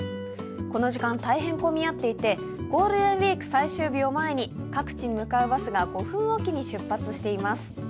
この時間大変混み合っていてゴールデンウイーク最終日を前に、各地に向かうバスが５分おきに出発しています。